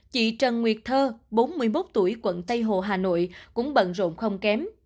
chị trần nguyệt thơ bốn mươi một tuổi quận tây hồ hà nội cũng bận rộn không kém